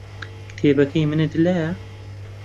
کتێبەکەی منت لایە؟